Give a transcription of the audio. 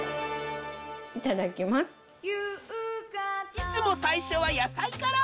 いつも最初は野菜から。